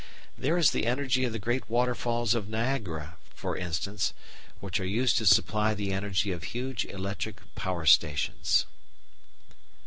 There is the energy of the great waterfalls of Niagara, for instance, which are used to supply the energy of huge electric power stations.